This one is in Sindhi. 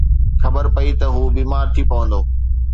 خبر پئي ته هو بيمار ٿي پوندو